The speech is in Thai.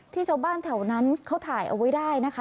ชาวบ้านแถวนั้นเขาถ่ายเอาไว้ได้นะคะ